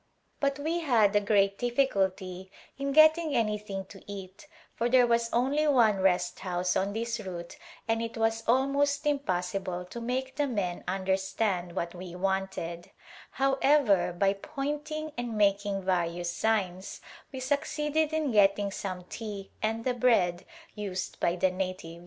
But we had great difficulty in getting anythmg to eat for there was only one Rest house on this route and it was almost impossible to make the men under stand what we wanted ; however, by pointing and making various signs we succeeded in getting some tea and the bread used by the natives.